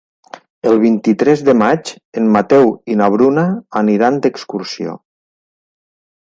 El vint-i-tres de maig en Mateu i na Bruna aniran d'excursió.